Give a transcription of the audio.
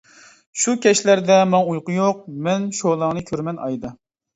شۇ كەچلەردە ماڭا ئۇيقۇ يوق، مەن شولاڭنى كۆرىمەن ئايدا.